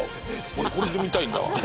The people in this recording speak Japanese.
俺、これで見たいんだ。